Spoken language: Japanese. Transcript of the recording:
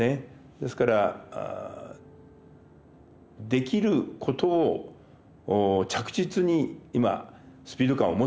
ですからできることを着実に今スピード感を持ってやっていく。